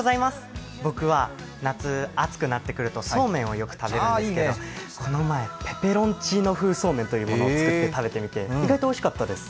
僕は夏、暑くなってくるとそうめんをよく食べるんですけどこの前、ペペロンチーノ風そうめんというのを作ってみたら意外とおいしかったです。